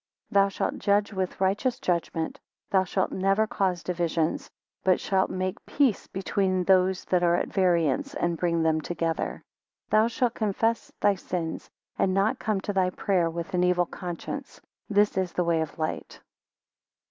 Thou shalt judge with righteous judgment. Thou shalt never cause divisions; but shalt make peace between those that are at variance, and bring them together. 24 Thou shalt confess thy sins; and not come to thy prayer with an evil conscience. 25 This is the way of light.